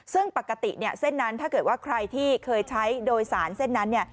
ซึ่งปกติเส้นนั้นถ้าเกิดว่าใครที่เคยใช้โดยสารเส้นนั้น